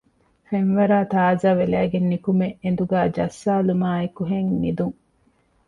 ފެންވަރައި ތާޒާވެލައިގެން ނުކުމެ އެނދުގައި ޖައްސާލުމާއެކުހެން ނިދުން